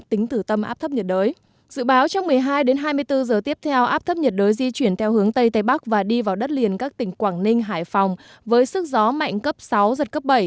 dự báo trong một mươi hai h đến hai mươi bốn h tiếp theo áp thấp nhiệt đới di chuyển theo hướng tây tây bắc và đi vào đất liền các tỉnh quảng ninh hải phòng với sức gió mạnh cấp sáu giật cấp bảy